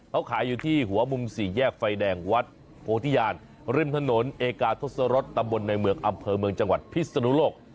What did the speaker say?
เขาขายอยู่ที่หัวมุมสี่แยกไฟแดงวัดโพธิญาณริมถนนเอกาทศรษตำบลในเมืองอำเภอเมืองจังหวัดพิศนุโลก